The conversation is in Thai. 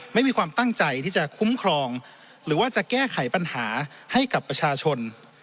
ไม่มีความตั้งใจที่จะคุ้มครองหรือว่าจะแก้ไขปัญหาให้กับประชาชน